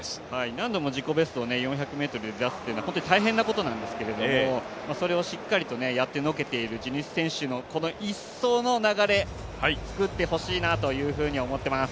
何度も自己ベストを４００ｍで出すというのは本当に大変なことなんですけど、それをしっかりとやってのけている地主選手のこの１走の流れ、作ってほしいなというふうに思ってます。